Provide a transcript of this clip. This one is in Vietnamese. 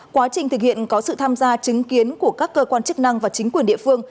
quá trình thực hiện có sự tham gia chứng kiến của các cơ quan chức năng và chính quyền địa phương